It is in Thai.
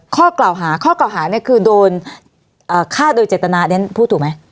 ข้อกล่าวหาข้อกล่าวหาเนี่ยคือโดนฆ่าโดยเจตนาเรียนพูดถูกไหม